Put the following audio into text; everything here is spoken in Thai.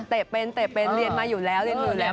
เตะเป็นเรียนมาอยู่แล้วเรียนหมื่นแล้ว